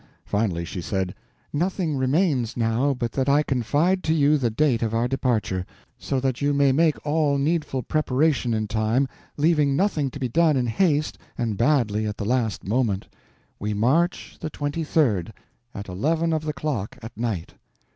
Finally she said: "Nothing remains, now, but that I confide to you the date of our departure, so that you may make all needful preparation in time, leaving nothing to be done in haste and badly at the last moment. We march the 23d, at eleven of the clock at night."